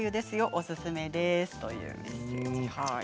おすすめです。